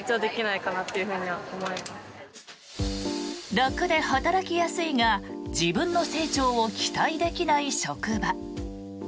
楽で働きやすいが自分の成長を期待できない職場。